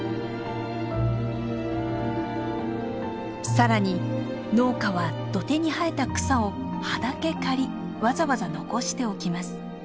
さらに農家は土手に生えた草を葉だけ刈りわざわざ残しておきます。